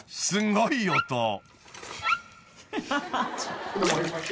［すごい音］